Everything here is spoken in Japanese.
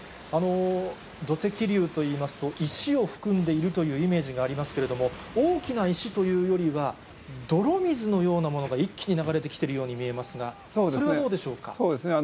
土石流といいますと、石を含んでいるというイメージがありますけれども、大きな石というよりは、泥水のようなものが一気に流れてきているように見えますが、そうですね。